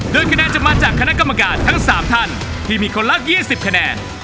โดยคะแนนจะมาจากคณะก้ามากาญทางสามทานที่มีคลัวลักษณ์๒๐คะแนน